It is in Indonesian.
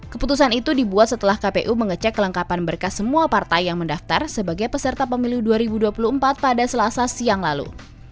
keputusan itu dibuat setelah kpu mengecek kelengkapan berkas semua partai yang mendaftar sebagai peserta pemilu dua ribu dua puluh empat pada selasa siang lalu